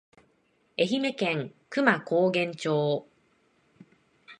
愛媛県久万高原町